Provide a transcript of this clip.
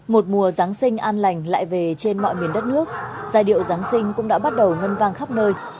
một mùa giáng sinh an lành lại về trên mọi miền đất nước giai điệu giáng sinh cũng đã bắt đầu ngân vang khắp nơi